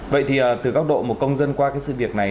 vậy thì từ góc độ một công dân qua cái sự việc này